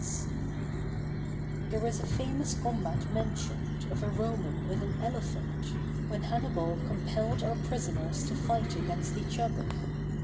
_] There is a famous combat mentioned of a Roman with an elephant, when Hannibal compelled our prisoners to fight against each other.